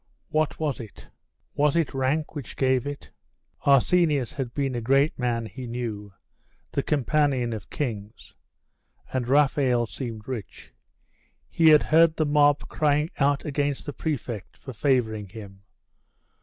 What was it? Was it rank which gave it Arsenius had been a great man, he knew the companion of kings. And Raphael seemed rich. He had heard the mob crying out against the prefect for favouring him.